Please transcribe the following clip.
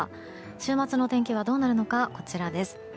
週末の天気はどうなるのかこちらです。